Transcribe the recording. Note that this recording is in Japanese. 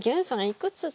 いくつだ？